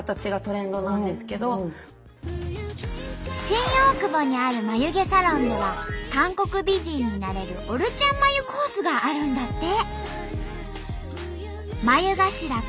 新大久保にある眉毛サロンでは韓国美人になれるオルチャン眉コースがあるんだって。